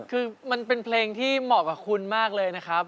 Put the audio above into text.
คือมันเป็นเพลงที่เหมาะกับคุณมากเลยนะครับ